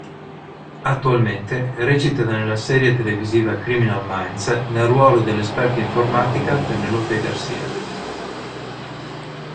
Attualmente recita nella serie televisiva "Criminal Minds" nel ruolo dell'esperta informatica Penelope Garcia.